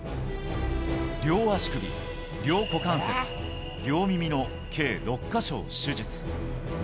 両足首、両股関節、両耳の計６か所を手術。